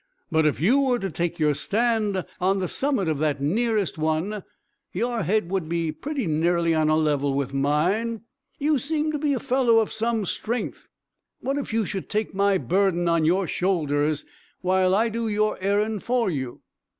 "But if you were to take your stand on the summit of that nearest one, your head would be pretty nearly on a level with mine. You seem to be a fellow of some strength. What if you should take my burden on your shoulders, while I do your errand for you?"